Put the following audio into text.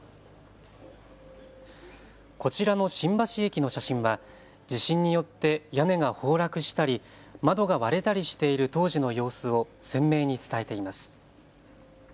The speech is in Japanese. こちらの新橋駅の写真は地震によって屋根が崩落したり窓が割れたりしている当時の様子を鮮明に伝えています。